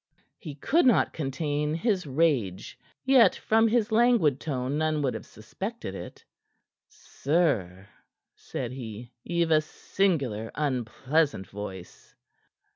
He could not contain his rage, yet from his languid tone none would have suspected it. "Sir," said he, "ye've a singular unpleasant voice."